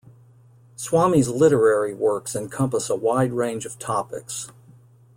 Swamy's literary works encompass a wide range of topics.